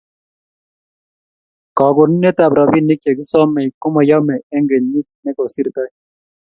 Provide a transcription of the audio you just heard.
kakonunetab robinik che kisomei ko mayem eng' kenyi ne kosirtoi